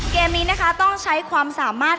เกมนี้นะคะต้องใช้ความสามารถ